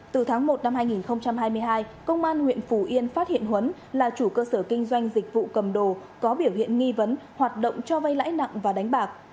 từ tháng một năm hai nghìn hai mươi hai công an huyện phủ yên phát hiện huấn là chủ cơ sở kinh doanh dịch vụ cầm đồ có biểu hiện nghi vấn hoạt động cho vay lãi nặng và đánh bạc